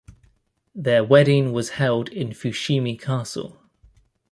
Their wedding was held in Fushimi Castle.